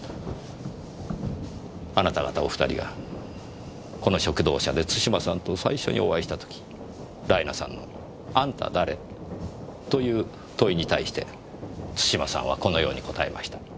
あなた方お２人がこの食堂車で津島さんと最初にお会いした時ライナさんの「あんた誰？」という問いに対して津島さんはこのように答えました。